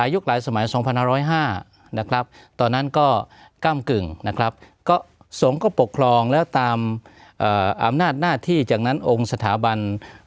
หลายสมัย๒๕๐๕นะครับตอนนั้นก็ก้ำกึ่งนะครับก็สงฆ์ก็ปกครองแล้วตามอำนาจหน้าที่จากนั้นองค์สถาบัน